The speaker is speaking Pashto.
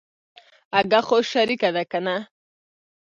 اگه خو شريکه ده کنه.